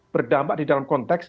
berdampak di dalam konteks